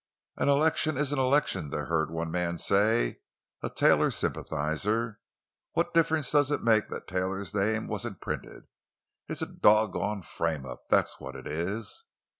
"An election is an election," they heard one man say—a Taylor sympathizer. "What difference does it make that Taylor's name wasn't printed? It's a dawg gone frame up, that's what it is!"